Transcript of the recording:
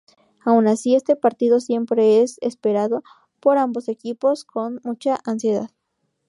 Aun así, este partido siempre es esperado por ambos equipos con mucha ansiedad.